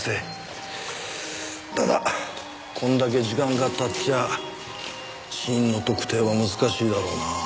ただこれだけ時間が経っちゃ死因の特定は難しいだろうな。